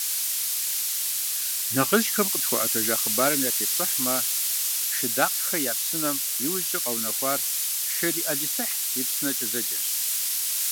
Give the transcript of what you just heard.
Нэхъыжьхэм къытхуаӏуэтэжа хъыбархэм ятепщӏыхьмэ, «Шыдакъхэ я псынэм» иужькӏэ къэунэхуар «Шэрий ӏэлисахь и псынэкӏэ» зэджэрщ.